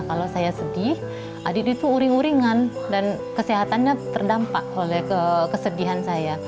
kalau saya sedih adit itu uring uringan dan kesehatannya terdampak oleh kesedihan saya